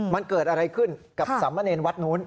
มันเกิดอะไรขึ้นกับสามเณรวัดนู้น